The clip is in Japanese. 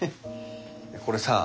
これさ